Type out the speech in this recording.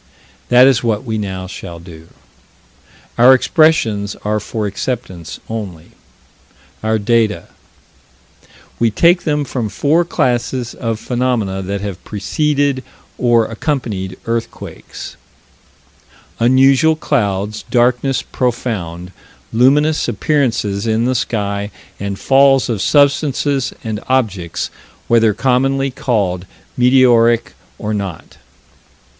That is what we now shall do. Our expressions are for acceptance only. Our data: We take them from four classes of phenomena that have preceded or accompanied earthquakes: Unusual clouds, darkness profound, luminous appearances in the sky, and falls of substances and objects whether commonly called meteoritic or not.